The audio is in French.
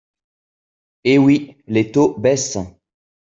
Eh oui, les taux baissent.